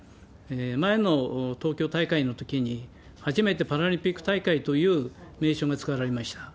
前の東京大会のときに、初めてパラリンピック大会という名称が使われました。